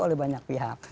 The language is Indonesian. oleh banyak pihak